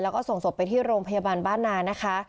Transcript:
แล้วก็ส่งศพไปที่โรงพยาบาลบ้านนานะคะ